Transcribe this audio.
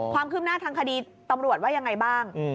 ความคืบหน้าทางคดีตำรวจว่ายังไงบ้าง